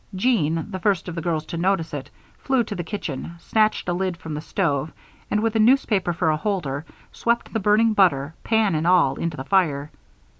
Jean, the first of the girls to notice it, flew to the kitchen, snatched a lid from the stove, and, with a newspaper for a holder, swept the burning butter, pan and all, into the fire.